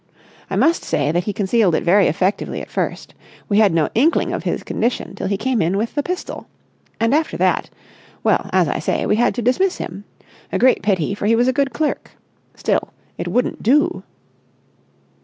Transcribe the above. I must say that he concealed it very effectively at first. We had no inkling of his condition till he came in with the pistol. And, after that ... well, as I say, we had to dismiss him. A great pity, for he was a good clerk. Still, it wouldn't do.